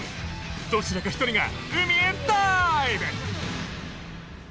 どちらか１人が海へダーイブ！